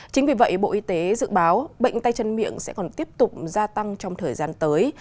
chính vì vậy bộ y tế dự báo bệnh tay chân miệng sẽ còn tiếp tục gia tăng trong thời gian tới